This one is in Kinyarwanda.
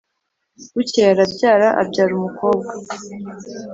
bukeye arabyara abyara umukobwa.